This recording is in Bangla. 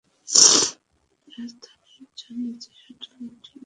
রাজধানীর র্যাডিসন হোটেলে এটি অনুষ্ঠিত হবে।